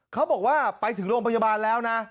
เขาบอกว่าไปถึงโรงพยาบาลแล้วนะ